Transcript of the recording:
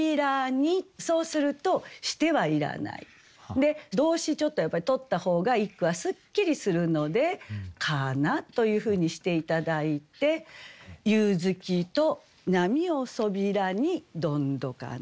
で動詞ちょっとやっぱり取った方が一句はすっきりするので「かな」というふうにして頂いて「夕月と波を背にどんどかな」。